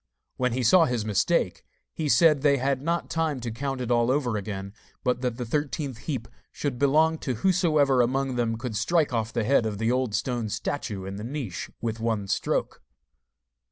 When he saw his mistake he said they had not time to count it all over again, but that the thirteenth heap should belong to whoever among them could strike off the head of the old stone statue in the niche with one stroke.